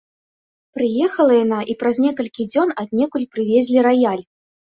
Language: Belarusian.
Прыехала яна, і праз некалькі дзён аднекуль прывезлі раяль.